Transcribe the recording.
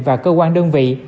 và cơ quan đơn vị